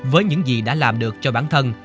với những gì đã làm được cho bản thân